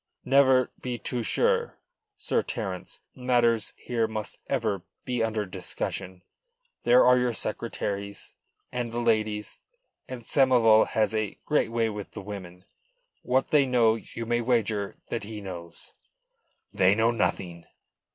"Never be too sure, Sir Terence. Matters here must ever be under discussion. There are your secretaries and the ladies and Samoval has a great way with the women. What they know you may wager that he knows." "They know nothing."